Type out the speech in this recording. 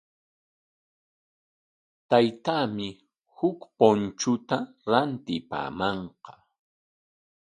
Taytaami huk punchuta rantipamanqa.